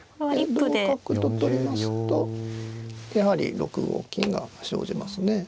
同角と取りますとやはり６五金が生じますね。